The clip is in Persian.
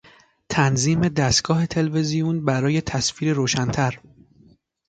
تنظیم دستگاه تلویزیون برای تصویر روشنتر